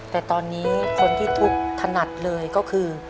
แต่ตอนนี้คนที่ทุกข์ถนัดเลยก็คือ